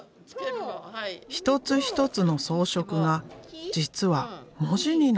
一つ一つの装飾が実は文字になっているのだ。